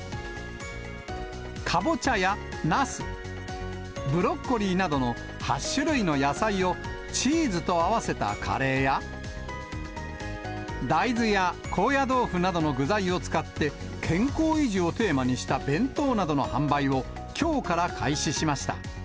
カボチャやナス、ブロッコリーなどの８種類の野菜を、チーズと合わせたカレーや、大豆や高野豆腐などの具材を使って、健康維持をテーマにした弁当などの販売を、きょうから開始しまし